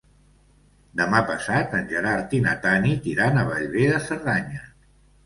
Demà passat en Gerard i na Tanit iran a Bellver de Cerdanya.